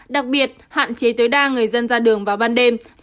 đặc biệt hạn chế tối đa người dân ra đường vào ban đêm